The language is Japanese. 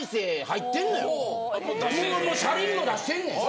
もうもう車輪も出してんねん。